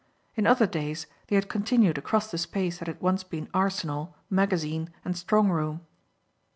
In other days they had continued across the space that had once been arsenal, magazine and strong room.